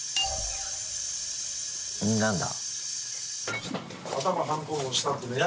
何だ？